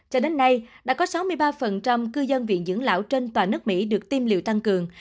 cho đến nay đã có sáu mươi ba cư dân viện dưỡng lão trên toàn nước mỹ được tiêm liệu tăng cường